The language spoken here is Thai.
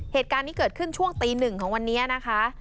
เหตุการณ์นี้เกิดขึ้นช่วงตีหนึ่งของวันนี้นะคะ